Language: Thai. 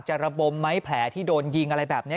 ระบมไหมแผลที่โดนยิงอะไรแบบนี้